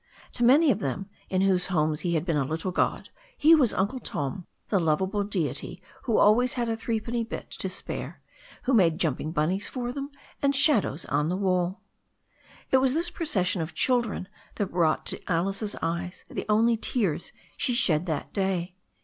To many of them, in whose homes he had been a little god, he was Uncle Tom, the lovable deity who always had a threepenny bit to spare, and who made jump ing bunnies for them and shadows on the wall. It was this procession of children that brought to Alice's eyes the only tears she shed that day.